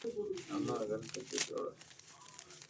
اما رو گھر ڪچو ٺيورو ھي